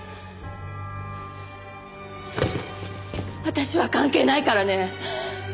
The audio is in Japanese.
私は関係ないからね。